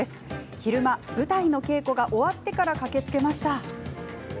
昼間、舞台の稽古が終わってから駆けつけました。